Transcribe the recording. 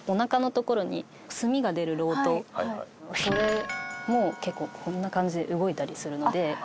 それも結構こんな感じで動いたりするので。